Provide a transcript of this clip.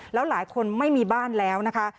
แล้วหลายคนไม่มีบ้านแล้วนะคะ